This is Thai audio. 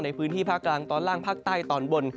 ในพื้นที่ภาคกลางตอนล่างภาคใต้ตอนบน